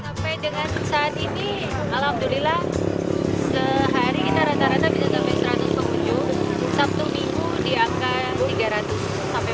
sampai dengan saat ini alhamdulillah sehari kita rata rata bisa sampai seratus pengunjung